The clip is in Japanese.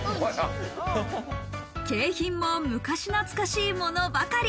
景品も昔懐かしいものばかり。